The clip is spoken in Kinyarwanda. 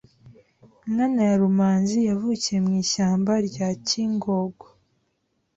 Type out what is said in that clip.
Nkana ya Rumanzi yavukiye mu ishyamba rya Kingogo